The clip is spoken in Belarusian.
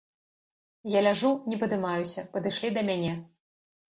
Я ляжу, не падымаюся, падышлі да мяне.